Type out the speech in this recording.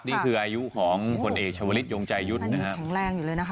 นี่คืออายุของผลเอกชาวลิศยงใจยุทธ์นะฮะแข็งแรงอยู่เลยนะคะ